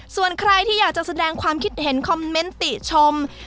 ส่วนใครที่อยากจะแสดงความคิดเห็นคอมเมนต์ติชม